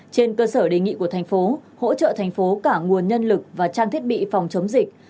trên cơ sở đề nghị của thành phố hỗ trợ thành phố cả nguồn nhân lực và trang thiết bị phòng chống dịch